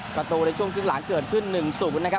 ประตูในช่วงครึ่งหลังเกิดขึ้น๑๐นะครับ